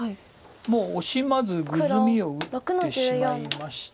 惜しまずグズミを打ってしまいまして。